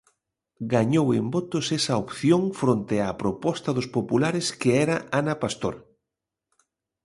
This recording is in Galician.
Gañou en votos esa opción fronte á proposta dos populares que era Ana Pastor.